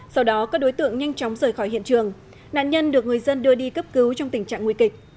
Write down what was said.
sau đó các đối tượng nhanh chóng rời khỏi hiện trường nạn nhân được người dân đưa đi cấp cứu trong tình trạng nguy kịch